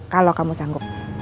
kalau kamu sanggup